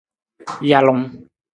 Jalung.